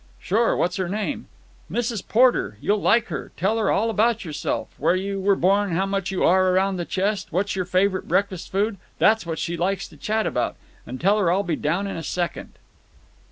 "Sure. What's her name?" "Mrs. Porter. You'll like her. Tell her all about yourself—where you were born, how much you are round the chest, what's your favourite breakfast food. That's what she likes to chat about. And tell her I'll be down in a second."